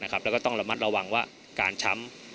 แล้วก็ต้องระมัดระวังว่าการช้ำ